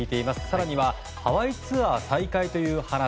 更にはハワイツアー再開という話。